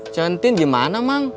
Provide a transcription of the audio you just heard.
tentin gimana mak